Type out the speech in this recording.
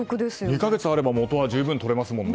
２か月あればもとは十分取れますもんね。